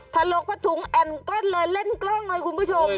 ทะลงผ้าถุงก็เลยเล่นกล้องเลยคุณผู้ชม